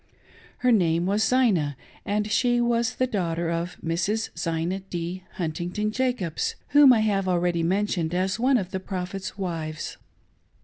Her name was Zina, and she was the daughter of Mrs. Zina D. Huntington Jacobs, whom I have a.lready mentioned as one of the Prophet's wives.